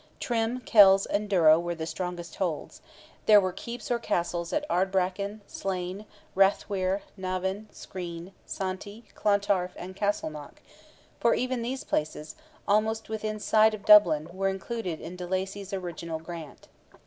Trim, Kells and Durrow were the strongest holds; there were keeps or castles at Ardbraccan, Slane, Rathwyre, Navan, Skreen, Santry, Clontarf, and Castleknock—for even these places, almost within sight of Dublin, were included in de Lacy's original grant.